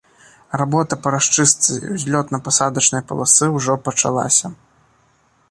Работа па расчыстцы ўзлётна-пасадачнай паласы ўжо пачалася.